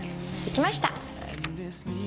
できました！